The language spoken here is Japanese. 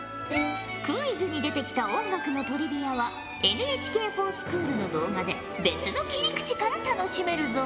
クイズに出てきた音楽のトリビアはＮＨＫｆｏｒＳｃｈｏｏｌの動画で別の切り口から楽しめるぞ。